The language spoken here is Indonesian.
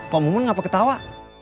pak mumun kenapa ketawa